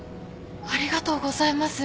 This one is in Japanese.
ありがとうございます。